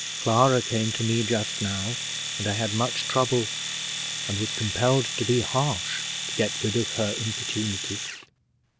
Clara came to me just now, and I had much trouble, and was compelled to be harsh, to get rid of her importunity."